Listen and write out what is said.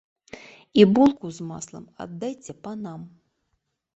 І булку з маслам аддайце панам!